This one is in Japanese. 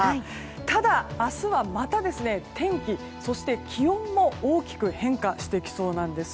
ただ、明日はまた天気、そして気温も大きく変化してきそうなんです。